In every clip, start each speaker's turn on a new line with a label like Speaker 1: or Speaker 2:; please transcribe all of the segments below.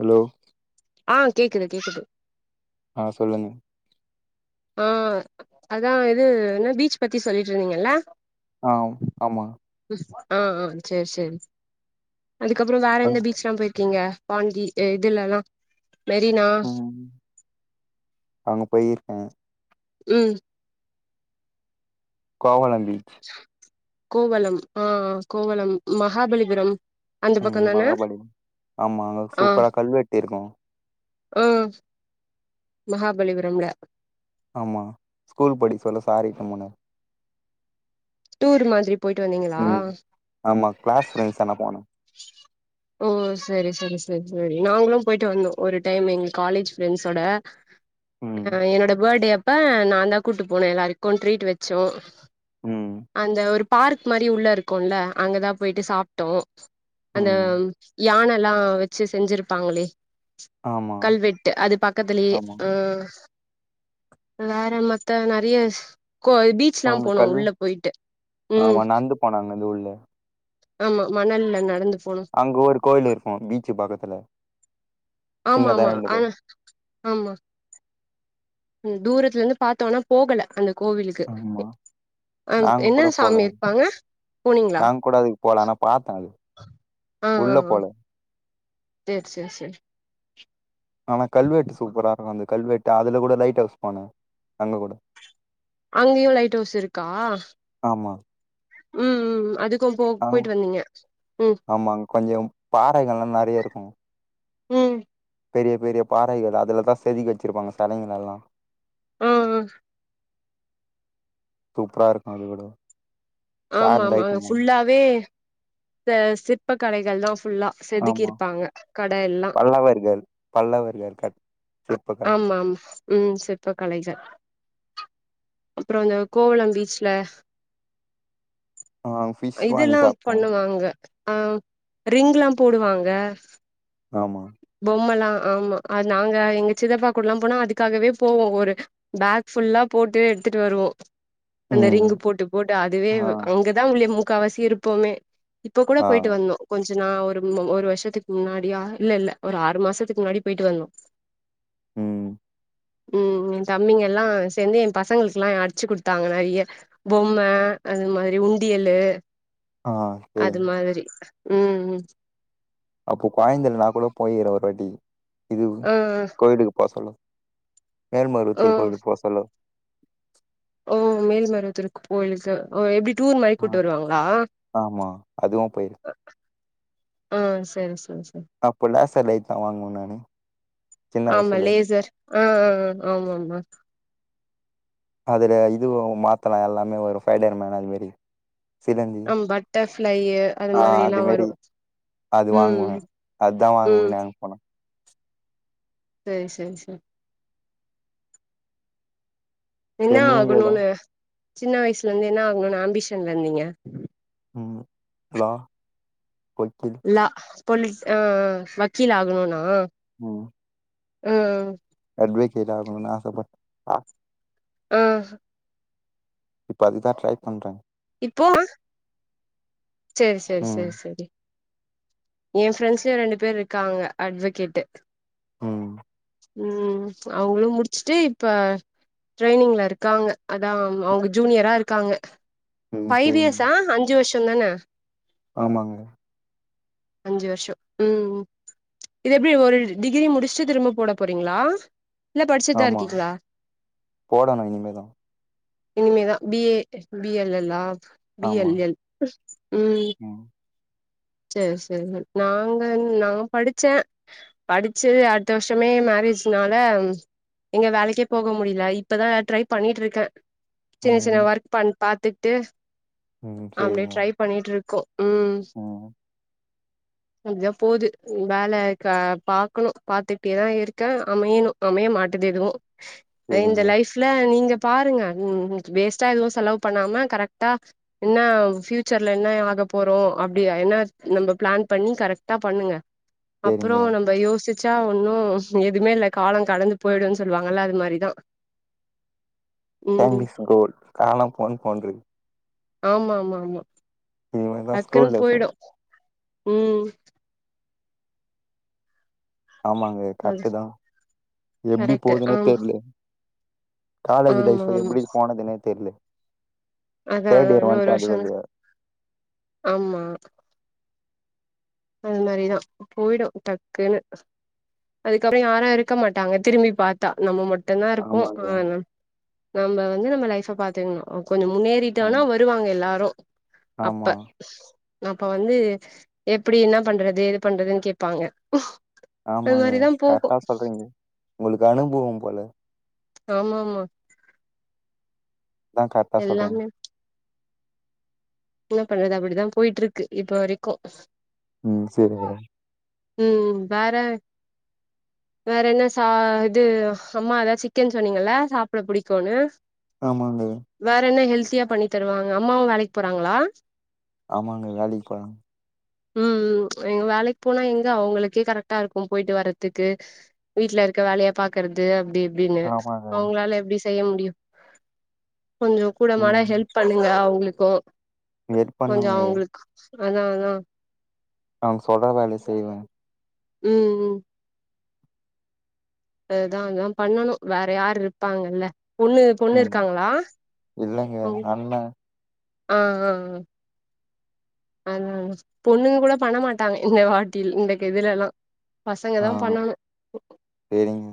Speaker 1: Hello
Speaker 2: ஆ கேக்குது கேக்குது
Speaker 1: ஆ சொல்லுங்க
Speaker 2: ஆ அதா இது என்ன பீச் பத்தி சொல்லிட்டு இருந்தீங்கல்ல
Speaker 1: ஆம் ஆமாங்க
Speaker 2: ம் ஆ ஆ சேர் சேரி அதுக்கப்புறோ வேற
Speaker 1: அங்
Speaker 2: எந்த பீச்லா போயிருக்கீங்க பாண்டி இதுலல்லா மெரினா
Speaker 1: ம் அங்க போயிருக்க
Speaker 2: ம்
Speaker 1: கோவளம் பீச்
Speaker 2: கோவளம் ஆ ஆ கோவளம் மகாபலிபுரம் அந்த
Speaker 1: ம்
Speaker 2: பக்கோ தான
Speaker 1: மகாபலி ஆமா அங்க சூப்பரா கல்வெட்டு இருக்கு
Speaker 2: ம் மகாபலிபுரம்ல
Speaker 1: ஆமா ஸ்கூல் படிக்க சொல்ல சாரு எட்னு போனாரு
Speaker 2: டூரு மாதிரி போயிட்டு வந்தீங்களா
Speaker 1: ம் ஆமா கிளாஸ் ஃபிரெண்ட்ஸ்னா போனோ
Speaker 2: ஓ செரி செரி செரி செரி நாங்களும் போயிட்டு வந்தோ ஒரு டைம் எங்க காலேஜ் ஃப்ரெண்ட்ஸோட
Speaker 1: ம்
Speaker 2: ஆ என்னோட பர்த்டே அப்ப நான்தா கூட்டு போன எல்லாருக்கு ட்ரீட் வச்சோ
Speaker 1: ம்
Speaker 2: அந்த ஒரு பார்க் மாரி உள்ள இருக்கு க்குல்ல அங்கதா போயிட்டு சாப்ட்டோ அந்த
Speaker 1: ம்
Speaker 2: யானலா வச்சி செஞ்சிருப்பாங்களே
Speaker 1: ஆமா
Speaker 2: கல்வெட்டு அது பக்கத்துலயே
Speaker 1: ஆமா
Speaker 2: அ வேற மத்த நெறையஸ் கோ பீச்லா
Speaker 1: அவங்க
Speaker 2: போனோ
Speaker 1: கல்லு
Speaker 2: உள்ள போயிட்டு ம்
Speaker 1: ஆமா நடந்து போனாங்க அது உள்ள
Speaker 2: ஆமா மணல்ல நடந்து போனோ
Speaker 1: அங்க ஒரு கோயிலு இருக்கும் பீச்சு பக்கத்துல
Speaker 2: ஆமா
Speaker 1: சின்னதா
Speaker 2: ஆமா
Speaker 1: ரெண்டு கோயில்
Speaker 2: ஆனா ஆமா ம் தூரத்துல இருந்து பாத்தோனா போகல அந்த கோவிலுக்கு
Speaker 1: ஆமா
Speaker 2: அ
Speaker 1: நாங்க
Speaker 2: என்ன
Speaker 1: கூட போல
Speaker 2: சாமி இருப்பாங்க போனீங்களா
Speaker 1: நாங்க கூட அதுக்கு போல ஆனா பாத்தே அது உள்ள போல
Speaker 2: சேர் செரி செரி
Speaker 1: ஆனா கல்வெட்டு சூப்பரா இருக்கு அந்த கல்வெட்டு அதுல கூட லைட் ஹவுஸ் போன அங்க கூட
Speaker 2: அங்கையு லைட் ஹவுஸ் இருக்கா
Speaker 1: ஆமா
Speaker 2: ம் ம் அது க்கு போ போயிட்டு வந்தீங்க ம்
Speaker 1: ஆமாங்க கொஞ்சம் பாறைகள்லா நெறைய இருக்கும்
Speaker 2: ம்
Speaker 1: பெரிய பெரிய பாறைகள் அதுலதான் செதுக்கி வச்சிருப்பாங்க செலைங்கலெல்லா
Speaker 2: ம் ம்
Speaker 1: சூப்பரா இருக்கும் அது கூட
Speaker 2: ஆமா
Speaker 1: சார்ந்த
Speaker 2: ஆமா
Speaker 1: ஐட்டம் தான
Speaker 2: ஃபுல்லாவே சிற்ப கலைகள்தா ஃபுல்லா செதுக்கி இருப்பாங்க கட எல்லாம்
Speaker 1: நல்லா தான் இருக்காரு பல்லவர்கள் க
Speaker 2: ஆமா ஆமா ம் சிற்ப்ப கலைகள் அப்புறம் இந்த கோவளம் பீச்ல
Speaker 1: ஆ ஃபிஷ் வாங்கி
Speaker 2: இதுல்லாம்
Speaker 1: சாப்ட்டோ
Speaker 2: பண்ணுவாங்க ஆ ரிங்ல்லாம் போடுவாங்க
Speaker 1: ஆமா
Speaker 2: பொம்மலா ஆமா அது நாங்க எங்க சிதப்பாக்குடலா போனா அதுக்காகவே போவோ ஒரு பேக் ஃபுல்லா போட்டு எடுத்துட்டு வருவோ அந்த
Speaker 1: ம்
Speaker 2: ரிங்கு போட்டு போட்டு அதுவே
Speaker 1: ஆ
Speaker 2: அங்கதா உள்ளே முக்காவாசி இருப்போமே இப்ப கூட
Speaker 1: ஆ
Speaker 2: போயிட்டு வந்தோ கொஞ்ச நா ஒரு முன்ன ஒரு வருஷத்துக்கு முன்னாடியா இல்ல இல்ல ஒரு ஆறு மாசத்துக்கு முன்னாடி போயிட்டு வந்தோ
Speaker 1: ம்
Speaker 2: ம் எ தம்பிங்கலா சேந்து எ பசங்களுக்குலா அடிச்சு குடுத்தாங்க நறிய பொம்ம அது மாரி உண்டியலு
Speaker 1: ஆ
Speaker 2: அது
Speaker 1: சேரிங்க
Speaker 2: மாதிரி ம் ம் ம்
Speaker 1: அப்போ கொயந்த இல்னா கூட போயிறே ஒரு வாட்டி இது
Speaker 2: ஆ
Speaker 1: கோயிலுக்கு போ சொல்லு
Speaker 2: ஆ
Speaker 1: மேல்மருவத்தூர் கோவிலு போ சொல்லு
Speaker 2: ஓ மேல்மருவத்தூருக் கோயிலுக்கு ஓ எப்டி டூர் மாரி
Speaker 1: ஆ
Speaker 2: கூப்ட்டு வருவாங்களா
Speaker 1: ஆமா அதுவு போய்
Speaker 2: ஆ செரி செரி செ
Speaker 1: அப்போலா சலைக்கா வாங்குவ நானு சின்ன
Speaker 2: ஆமா
Speaker 1: வயசுலே
Speaker 2: லேசர் ஆ ஆ ஆ ஆமாமா
Speaker 1: அதுல இது மாத்தலா எல்லாமே ஒரு ஃபைகர் மேன் அது மாரி சிலந்தி
Speaker 2: அம் பட்டர்ஃப்ளையி அது மாரி எல்லா வரு
Speaker 1: அது வாங்குவே
Speaker 2: ம்
Speaker 1: அதுதா வாங்குவே
Speaker 2: ம்
Speaker 1: நா அங்க போனா
Speaker 2: செரி செரி செ என்னா
Speaker 1: சரி நீங்க தா
Speaker 2: ஆகணுனு சின்ன வய்ஸ்லந்து என்ன ஆகணுன் அம்பிஷன்ல இந்தீங்க
Speaker 1: ம் ஹலோ புல் புது
Speaker 2: லா பொலி ஆ வக்கீல் ஆகணுனா
Speaker 1: ம்
Speaker 2: ம் ம்
Speaker 1: அட்வகேட் ஆகணுனு ஆசப்பட் ஆ
Speaker 2: ஆஹா
Speaker 1: இப்ப அதுதா ட்ரை பண்றே
Speaker 2: இப்போவா செரி செரி
Speaker 1: ம்
Speaker 2: செரி செரி எ ஃப்ரெண்ட்ஸ்லயு ரெண்டு பேர் இருக்காங்க அட்வோகேட்டு
Speaker 1: ம்
Speaker 2: ம் அவங்களு முடிச்சுட்டு இப்ப ட்ரெயனிங்ல இருக்காங்க அதா அவங் அவங்க ஜூனியரா இருக்காங்க
Speaker 1: ம்
Speaker 2: ஃபைவ்
Speaker 1: சரிங்க
Speaker 2: இயர்ஸா அஞ்சு வருஷந்தான
Speaker 1: ஆமாங்க
Speaker 2: அஞ்சு வருஷோ ம் ம் இது எப்டி ஒரு டிகிரி முடிச்சு திரும்ப போட போறீங்ளா இல்ல படிச்சிட்தா
Speaker 1: ஆமா
Speaker 2: இருக்கீங்ளா
Speaker 1: போடணு இனிமேதா
Speaker 2: இனிமேதா பி ஏ பி எல் எல்லா பி
Speaker 1: ஆமா
Speaker 2: எல் எல் ம் சேர் செரிங்க நாங்கன் நாங்க படிச்ச படிச்சி அடுத்த வர்ஷமே மேரேஜ்னால எங்க வேலைக்கே போக முடில இப்பதா நா ட்ரை பண்ணிட்ருக்க சின்ன சின்ன
Speaker 1: ம்
Speaker 2: ஒர்க் பண் பாத்துட்டு
Speaker 1: ம்
Speaker 2: அம்டியே
Speaker 1: சரிங்க
Speaker 2: ட்ரை பண்ணிட்ருக்கோ ம்
Speaker 1: ம்
Speaker 2: அப்தா போது ம் வேல கா பாக்கணு பாத்துட்டேதா இருக்க அமையணு அமைய மாட்டுது எதுவு
Speaker 1: [inaudible]
Speaker 2: இந்த லைஃப்ல நீங்க பாருங்க ம் இன்னிக்கு வேஸ்ட்டா எதுவு செலவு பண்ணாம கரெக்டா என்னா ஃபியூச்சர்ல என்ன ஆக போறோ அப்டியா என்ன நம்ப பிளேன் பண்ணி கரெக்டா பண்ணுங்க
Speaker 1: சரிங்க
Speaker 2: அப்புறோ நம்ப யோசிச் ச்சா ஒன்னு எதுமே இல்ல காலங் கடந்து போயிடுன் சொல்லுவாங்கல்ல அது மாரிதா
Speaker 1: டைம்
Speaker 2: ம்
Speaker 1: இஸ் கோல்டு காலம் பொன் போன்றது
Speaker 2: ஆமாமாமா
Speaker 1: இனிமேதா
Speaker 2: டக்குனு
Speaker 1: ஸ்கூல்ல
Speaker 2: போய்டு
Speaker 1: சொல்லு
Speaker 2: ம்
Speaker 1: ஆமாங்க
Speaker 2: அது
Speaker 1: கரெக்டு தா எப்டி
Speaker 2: கரெக்ட்
Speaker 1: போதுன்னே
Speaker 2: ஆமா
Speaker 1: தெர்ல காலேஜ்ஜு
Speaker 2: ஆமா
Speaker 1: லைஃப்பு
Speaker 2: ஆமா
Speaker 1: எப்டி போனதுனே தெர்ல
Speaker 2: அதா ஆ
Speaker 1: தேர்ட் இயர்
Speaker 2: இன்னு ஒரு
Speaker 1: வந்ட்ட அது
Speaker 2: வருஷோங் கழுச்
Speaker 1: வழியா
Speaker 2: ஆமா அது மாரி தா போய்டு டக்குன்னு அதுக்கப்பறோ யாரு இருக்க மாட்டாங்க திரும்பி பாக் ட்டா நம்ம மட்டுந்தா இருப்போ
Speaker 1: ஆமாங்க
Speaker 2: ஆ நம்ப வந்து நம்ம லைஃப்ப பாத்துகணு கொஞ்சோ
Speaker 1: ஆ
Speaker 2: முன்னேறிட்டோனா வருவாங்க எல்லாரு
Speaker 1: ஆமா
Speaker 2: அப்ப அப்ப வந்து அப்டி என்ன பண்றது ஏது பண்றதுன் கேப்பாங்க ம்
Speaker 1: ஆமாங்க கரெக்டா சொல்றீங்க உங்களுக்கு அனுபவம் போல
Speaker 2: ஆமா ஆமா
Speaker 1: அதா கரெக்டா சொல்றீங்க
Speaker 2: எல்லாமே என்ன பண்றது அப்டிதா போயிட்ருக்கு இப்போ வரைக்கு
Speaker 1: ம் சேரிங்க
Speaker 2: ம் வேற வேற என்ன சா இது அம்மா அதா சிக்கன் சொன்னீங்கள்ல சாப்ட புடிக்குன்னு
Speaker 1: ஆமாங்க
Speaker 2: வேற என்ன ஹெல்த்தியா பண்ணி தருவாங்க அம்மாவு வேலைக் போறாங்ளா
Speaker 1: ஆமாங்க வேலைக்கு போறாங்
Speaker 2: ம் ம் எங்க வேலைக் போனா எங்க அவங்களுக்கே கரெக்ட்டா இருக்கும் போயிட்டு வர்றதுக்கு வீட்ல இருக்க வேலய பாக்கறது அப்டி இப்டின்னு
Speaker 1: ஆமாங்க
Speaker 2: அவங்களால எப்டி செய்ய முடியு கொஞ்சோ கூடமாட
Speaker 1: ம்
Speaker 2: ஹெல்ப் பண்ணுங்க அவங்களுக்கு
Speaker 1: ஹெல்ப்
Speaker 2: கொஞ்சோ
Speaker 1: பண்ணுவங்க
Speaker 2: அவங்களுக்கு அதா அதா
Speaker 1: அவங்க சொல்ற வேலய செய்வ
Speaker 2: ம் ம் அதா அதாம் பண்ணனு வேற யாரு இருப்பாங்கல்ல பொண்ணு பொண்ணு
Speaker 1: ம்
Speaker 2: இருக்காங்களா
Speaker 1: இல்லங்க அண்ண
Speaker 2: ஆ ஆ ஆ அதா பொண்ணுங்க கூட பண்ணமாட்டாங்க இந்த வாட்டில் இந்த கெதுலெல்லா பசங்க
Speaker 1: ஆ
Speaker 2: தா பண்ணனு
Speaker 1: சரிங்க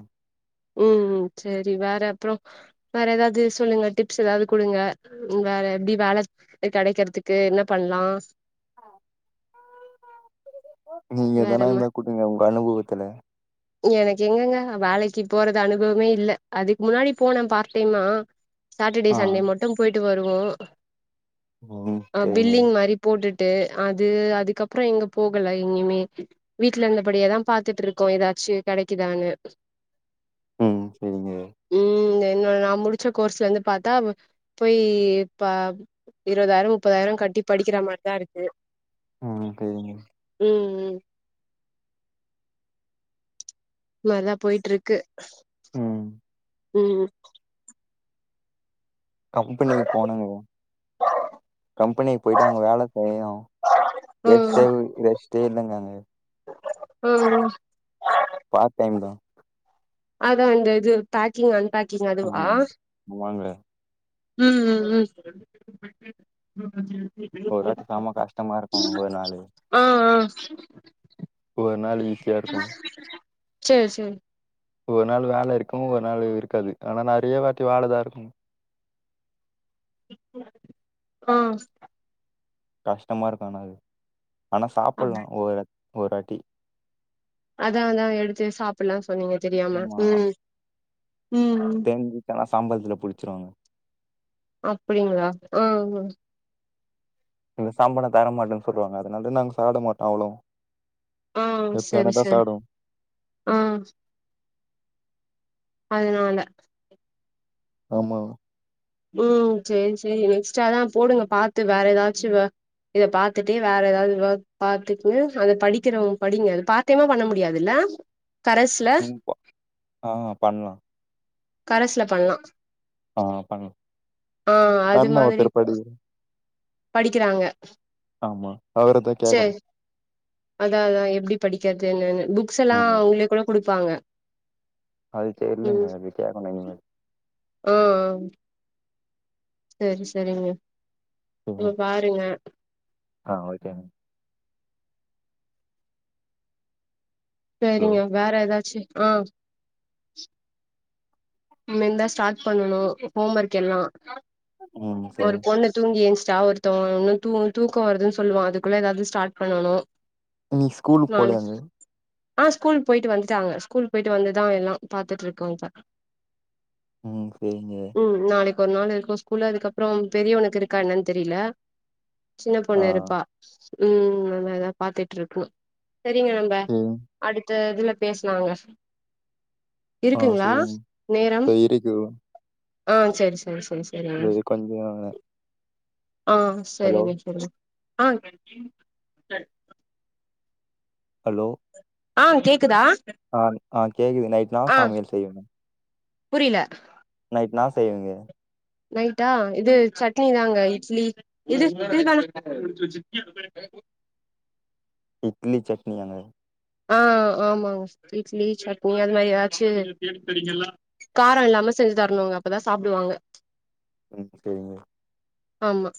Speaker 2: ம் சேரி வேற அப்புறோ வேற எதாவது சொல்லுங்க டிப்ஸ் எதாவது குடுங்க வேற எப்டி வேல து கெடைக்கறதுக்கு என்ன பண்லா
Speaker 1: நீங்க எதனா
Speaker 2: வேறம்மா
Speaker 1: இருந்தா கூட்டுங்க உங்க அனுபவத்துல
Speaker 2: எனக்கு எங்கங்க வேலைக்கு போறது அனுபவமே இல்ல அதுக்கு முன்னாடி போன பார்ட் டைமா சாட்டடே
Speaker 1: ஆ
Speaker 2: சண்டே மட்டும் போயிட்டு வருவோ
Speaker 1: ம்
Speaker 2: அ
Speaker 1: சரிங்க
Speaker 2: பில்லிங் மாரி போட்டுட்டு அது அதுக்கப்புறோ எங்க போகல எங்கயுமே வீட்டல இருந்தபடியேதாம் பாத்துட்டு இருக்கோ எதாச்சு கெடைக்குதான்னு
Speaker 1: ம் சேரிங்க
Speaker 2: ம் என்னோட நா முடிச்ச கோர்ஸ் வந்து பாத்தா போயி இப்பா இருபதாயிரோ முப்பதாயிரோ கட்டி படிக்கிற மார் தா இருக்கு
Speaker 1: ம் ஓகேங்க
Speaker 2: ம் ம் இது மார் தா போயிட்ருக்கு
Speaker 1: ம்
Speaker 2: ம்
Speaker 1: கம்பனிக்கு போனுங்க கம்பனிக்கு பொயிட்டு அங்க வேல செய்யு ரெஸ்டே
Speaker 2: ம்
Speaker 1: ரெஸ்டே இல்லங்கங்க
Speaker 2: ஆ உ
Speaker 1: பார்ட் டைம் தா
Speaker 2: அதா அந்த இது பேக்கிங் அன்பேக்கிங் அதுவா
Speaker 1: ம் ஆமாங்க
Speaker 2: ம் ம் ம்
Speaker 1: ஒரு வாட்டி சேம கஷ்டமா இருக்கு ஒரு நாளு
Speaker 2: ஆ ஆ
Speaker 1: ஒரு நாளு ஈஸியா இருக்கு
Speaker 2: சேர் சேரிங்
Speaker 1: ஒவ்வொரு நாளு வேல இருக்கு ஒவ்வொரு நாளு இருக்காது ஆனா நெறைய வாட்டி வேல தா இருக்கும்
Speaker 2: ஆ
Speaker 1: கஷ்டமா இருக்கு ஆனா அது ஆனா
Speaker 2: அப்
Speaker 1: சாப்புட்லா ஒரு ஒவ்வொரு வாட்டி
Speaker 2: அதா அதா எடுத்து சாப்புட்லா சொன்னீங்க தெரியாம
Speaker 1: ஆமா
Speaker 2: ம் ம் ம்
Speaker 1: எங்களுக்கெல்லா சம்பளத்துல புடிச்சுருவங்க
Speaker 2: அப்புடிங்களா ஆ ஆமாங்க
Speaker 1: இந்த சம்பளோ தரமாட்டேன்னு சொல்லுவாங்க அதுனால தா நாங்க சாப்ட மாட்டோ அவ்ளோவு
Speaker 2: ஆ செரி செரி ஆ அதுனால
Speaker 1: ஆமாங்
Speaker 2: ம் செரி செரி நெக்ஸ்ட் அதா போடுங்க பாத்து வேற எதாச்சு வ இத பாத்துட்டே வேற எதாவது வெர்க் பாத்துக்குன்னு அத படிக்கிறவுங்க படிங்க அது பாத் சத்தியமா பண்ண முடியாதுல்ல கரஸ்ல
Speaker 1: ம் ப ஆ பண்லா
Speaker 2: கரஸ்ல பண்லா
Speaker 1: ஆ பண்
Speaker 2: ஆ அது மாதிரி படிக்கிறாங்க
Speaker 1: ஆமா அவரதா கேக்கணு
Speaker 2: சேரி அதா அதா எப்டி படிக்கற்து என்னன்னு புக்ஸ் எல்லா
Speaker 1: ம்
Speaker 2: உள்ளே கூட குடுப்பாங்க
Speaker 1: அது
Speaker 2: ம்
Speaker 1: தெர்லங்க அது கேக்கனு இனிமேல்
Speaker 2: ஆ ஆம் செர் செரிங்க
Speaker 1: சரி.
Speaker 2: ஆமா பாருங்க
Speaker 1: ஆ ஓகேங்க ஹலோ
Speaker 2: செரிங்க வேற எதாச்சு ஆ மேந்தா ஸ்டாட் பண்ணுனு ஹோமர்க் எல்லா
Speaker 1: ம் சரி
Speaker 2: ஒரு பொண்ணு தூங்கி ஏஞ்ச்டா ஒருத்தவுங்க இன்னு தூ தூக்கோ வருதுன் சொல்லுவா அதுகுள்ள எதாவது ஸ்டாட் பண்ணணு
Speaker 1: இன்னிக் ஸ்கூலுக்கு போலயாங்க
Speaker 2: ஆ ஸ்கூல்க்கு போய்ட்டு வந்துட்டாங்க ஸ்கூல் போய்ட்டு வந்துதா எல்லா பாத்துட்ருக்காங் இப்ப
Speaker 1: ம் செரிங்க
Speaker 2: ம் நாளைக்கு ஓரு நாளு இருக்கு ஸ்கூலு அதுக்கப்றோ பெரியவனுக்கு இருக்கா என்னன் தெரில சின்ன
Speaker 1: ஆ
Speaker 2: பொண்ணு இருப்பா ம் அவ எதா பாத்துட்ருக்கு செரிங்க நம்ப
Speaker 1: ம்
Speaker 2: அடுத்த இதுல பேசலாங்க
Speaker 1: ஆ
Speaker 2: இருக்குங்ளா
Speaker 1: சரிங்க
Speaker 2: நேரம்
Speaker 1: இதோ இருக்கு
Speaker 2: ஆ சேரி சேரி சேரி சே
Speaker 1: இந்த இது கொஞ்ச நாளா
Speaker 2: ஆ சேரிங்க சேரிங்க ஆ
Speaker 1: ஹலோ
Speaker 2: ஆ கேக்குதா
Speaker 1: ஆங் ஆ கேக்குது நைட் இன்னா சமையல் செய்யணு
Speaker 2: புரியல
Speaker 1: நைட் இன்னா செய்வீங்க
Speaker 2: நைட்டா இது சட்னி தாங்க இட்லி இது [inaudible]
Speaker 1: இட்லி சட்னியாங்க
Speaker 2: ஆ ஆமாங்க இட்லி சட்னி அது மாரி எதாச்சு கார இல்லாம செஞ்சு தரணுங்க அப்பதா சாப்டுவாங்க
Speaker 1: ம் சேரிங்க
Speaker 2: ஆமா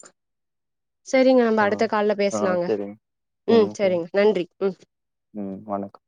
Speaker 2: சேரிங்க நம்ப
Speaker 1: ஆ
Speaker 2: அடுத்த கால்ல
Speaker 1: ஆ
Speaker 2: பேசலாங்க
Speaker 1: சரிங்க
Speaker 2: ம் சேரிங்க நன்றி ம்
Speaker 1: ம் வணக்க